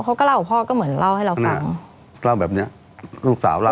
เขาก็เล่าพ่อก็เหมือนเล่าให้เราฟังเล่าแบบเนี้ยลูกสาวเล่า